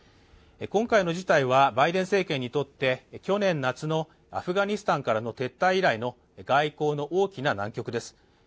今回の事態はバイデン政権にとって、去年夏のアフガニスタンからの撤退以来の外交の大きな難局です。